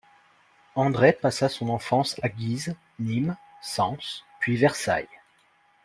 André passa son enfance à Guise, Nîmes, Sens puis Versailles.